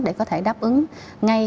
để có thể đáp ứng ngay